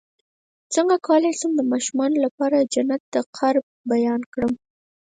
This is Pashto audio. څنګه کولی شم د ماشومانو لپاره د جنت د قرب بیان کړم